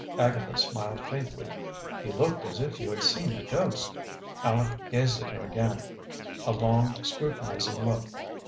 Agatha smiled faintly. "You looked as if you had seen a ghost." Aleck gazed at her again, a long, scrutinizing look.